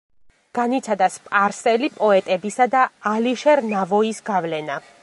განიცადა სპარსელი პოეტებისა და ალიშერ ნავოის გავლენა.